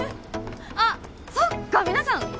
あっそっか皆さん